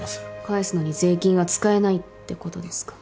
帰すのに税金が使えないってことですか。